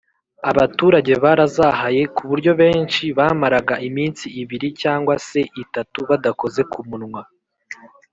abaturage barazahaye ku buryo benshi bamaraga iminsi ibir cyangwa se itatu badakoze ku munwa.